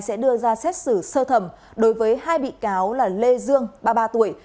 sẽ đưa ra xét xử sơ thẩm đối với hai bị cáo là lê dương ba mươi ba tuổi